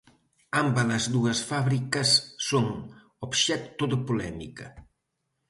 Ámbalas dúas fábricas son obxecto de polémica.